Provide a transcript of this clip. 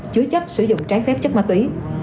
chứa chấp sử dụng trái phép chất ma túy